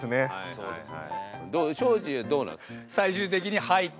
そうですね。